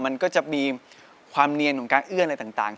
มันก็จะมีความเนียนของการเอื้ออะไรต่าง